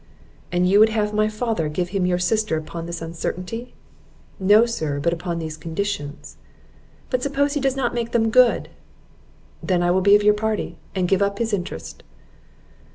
"And you would have my father give him your sister upon this uncertainty?" "No, sir, but upon these conditions." "But suppose he does not make them good?" "Then I will be of your party, and give up his interest."